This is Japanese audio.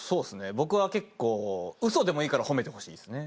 僕は結構ウソでもいいから褒めてほしいですね。